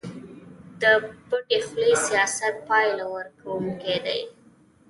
د پټې خولې سياست پايله ورکوونکی دی.